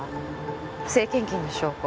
不正献金の証拠。